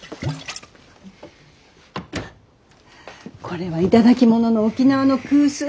これは頂き物の沖縄の古酒。